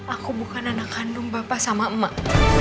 aku bukan anak kandung bapak sama emak